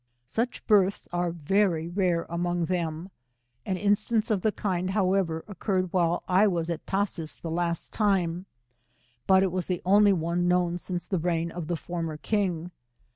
Such birthg are very rare among theB|"airin stance of the kind, however, occurred while I was at Tashees the last time, hut it was the only one known since the reign of the former king.